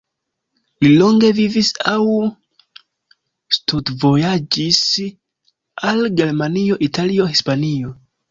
Li longe vivis aŭ studvojaĝis al Germanio, Italio, Hispanio.